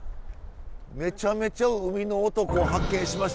めちゃめちゃ海の男を発見しましたよ。